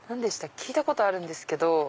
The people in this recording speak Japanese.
聞いたことあるんですけど。